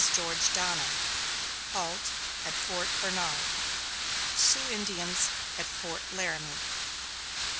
GEORGE DONNER HALT AT FORT BERNARD SIOUX INDIANS AT FORT LARAMIE.